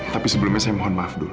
tapi sebelumnya saya mohon maaf dulu